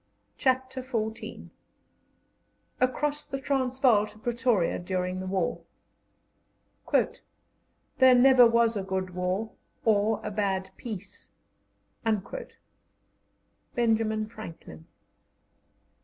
CHAPTER XIV ACROSS THE TRANSVAAL TO PRETORIA DURING THE WAR "There never was a good war or a bad peace." BENJAMIN FRANKLIN.